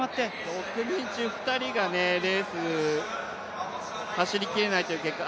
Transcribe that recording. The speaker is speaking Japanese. ６人中２人がレース、走りきれないという結果